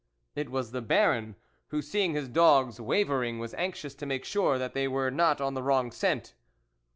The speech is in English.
It was the Baron, who seeing his dogs wavering, was anxious to make sure that they were not on the wrong scent.